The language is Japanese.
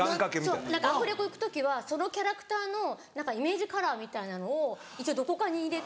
そうアフレコ行く時はそのキャラクターのイメージカラーみたいなのを一応どこかに入れて。